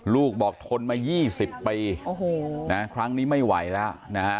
ลูกบอกทนมา๒๐ปีครั้งนี้ไม่ไหวแล้วนะ